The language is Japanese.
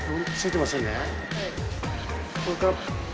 はい。